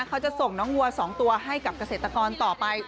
เขาจะส่งน้องวัว๒ตัวให้กับเกษตรกรต่อไป